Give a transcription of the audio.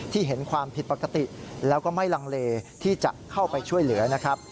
เห็นความผิดปกติแล้วก็ไม่ลังเลที่จะเข้าไปช่วยเหลือนะครับ